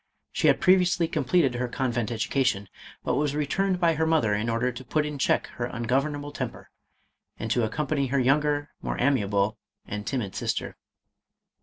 She had previously completed her convent education, but was returned by her mother in order to put in check her ungovernable temper, and to accompany her younger, more amiable, and timid sister.